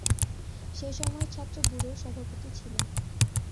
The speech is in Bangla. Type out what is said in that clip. সেই সময়ের ছাত্র ব্যুরোর সভাপতি ছিলেন।